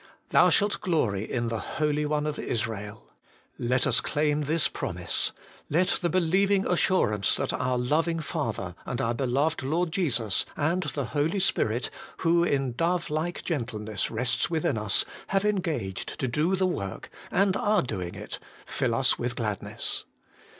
' Thou shalt glory in the Holy One of Israel :' let us claim this promise. Let the believing assurance that our Loving Father, and our Beloved Lord Jesus, and the Holy Spirit, who in dove like gentleness rests within us, have engaged to do the work, and are doing it, fill us with gladness.